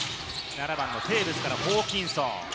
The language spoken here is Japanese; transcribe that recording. ７番のテーブスからホーキンソン。